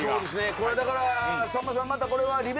これだからさんまさんまた。